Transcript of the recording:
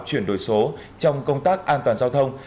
chuyển đổi số trong công tác an toàn giao thông